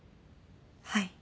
はい。